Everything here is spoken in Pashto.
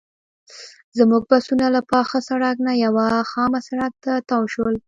زموږ بسونه له پاخه سړک نه یوه خامه سړک ته تاو شول.